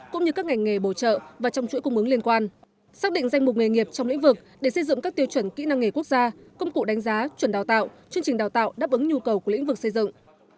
cũng như các ngành nghề bổ trợ và trong chuỗi cung ứng liên quan xác định danh mục nghề nghiệp trong lĩnh vực để xây dựng các tiêu chuẩn kỹ năng nghề quốc gia công cụ đánh giá chuẩn đào tạo chương trình đào tạo đáp ứng nhu cầu của lĩnh vực xây dựng